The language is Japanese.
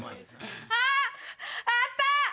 あぁあった！